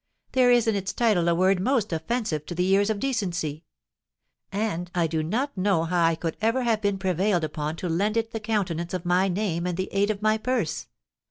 There is in its title a word most offensive to the ears of decency; and I do not know how I could have ever been prevailed upon to lend it the countenance of my name and the aid of my purse.